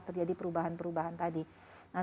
terjadi perubahan perubahan tadi nah